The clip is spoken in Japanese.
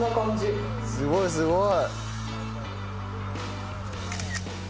すごいすごい！